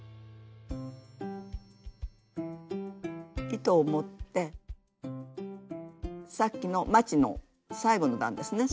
糸を持ってさっきのまちの最後の段ですね